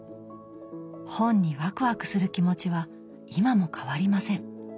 本にワクワクする気持ちは今も変わりません。